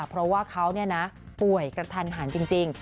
เพราะว่าเขาป่วยกระทันหันจริง